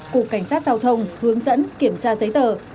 cục cảnh sát giao thông hướng dẫn kiểm tra giấy tờ